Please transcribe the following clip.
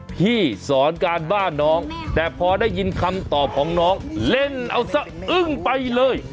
พี่สอนการบ้านน้องแต่พอได้ยินคำตอบของน้องเล่นเอาซะอึ้งไปเลย